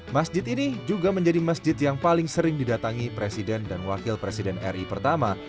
masjid ini juga menjadi masjid yang paling sering didatangi presiden dan wakil presiden ri pertama